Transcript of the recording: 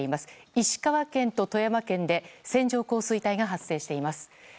石川県と富山県で線状降水帯が発生しています。